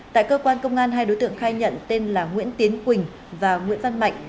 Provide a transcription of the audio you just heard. tại cơ quan công an hai đối tượng khai nhận tên là nguyễn tiến quỳnh và nguyễn văn mạnh